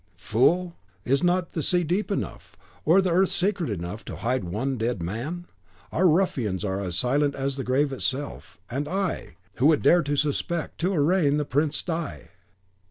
"Fool! is not the sea deep enough, or the earth secret enough, to hide one dead man? Our ruffians are silent as the grave itself; and I! who would dare to suspect, to arraign the Prince di